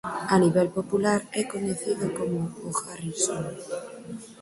A nivel popular é coñecido como "O Harrison".